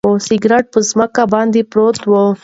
سګرټ په ځمکه باندې پروت و.